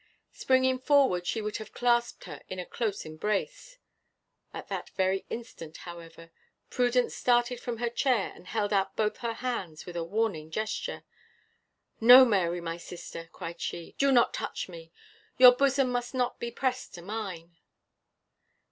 Springing forward she would have clasped her in a close embrace. At that very instant, however, Prudence started from her chair and held out both her hands with a warning gesture. "No, Mary, no, my sister," cried she, "do not you touch me! Your bosom must not be pressed to mine!"